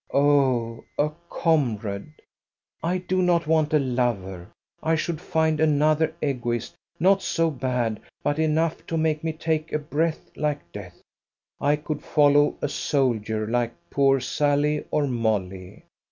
Oh! a comrade! I do not want a lover. I should find another Egoist, not so bad, but enough to make me take a breath like death. I could follow a soldier, like poor Sally or Molly.